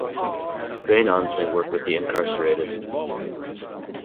Grey Nuns may work with the incarcerated.